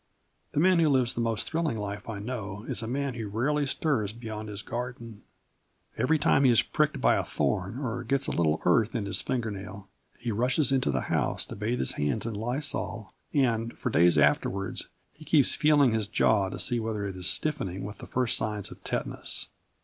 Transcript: The man who lives the most thrilling life I know is a man who rarely stirs beyond his garden. Every time he is pricked by a thorn or gets a little earth in his finger nail, he rushes into the house to bathe his hands in lysol and, for days afterwards, he keeps feeling his jaw to see whether it is stiffening with the first signs of tetanus.